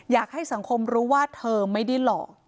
อยากให้สังคมรู้ว่าเธอไม่ได้หลอก